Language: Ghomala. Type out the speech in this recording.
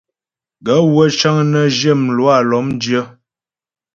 Gaə̂ wə́ cə́ŋ nə́ zhyə mlwâ lɔ́mdyə́.